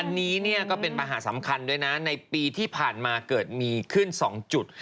อันนี้เนี่ยก็เป็นปัญหาสำคัญด้วยนะในปีที่ผ่านมาเกิดมีขึ้น๒จุด